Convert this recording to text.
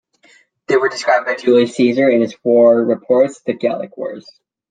They were described by Julius Caesar in his war reports, "The Gallic Wars".